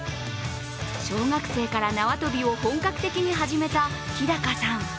小学生から縄跳びを本格的に始めた日高さん。